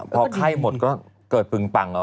พอไข้หมดก็เกิดปึงปังเหรอวะ